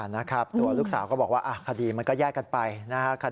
นะครับตัวลูกสาวก็บอกว่าคดีมันก็แยกกันไปนะครับ